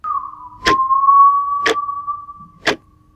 穆斯林對宗教非常虔誠